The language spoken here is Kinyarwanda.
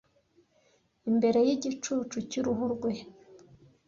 imbere y'igicucu cy'uruhu rwe